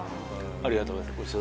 ありがとうございます